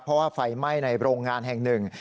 เพราะว่าไฟไหม้ในโรงงานแห่งหนึ่ง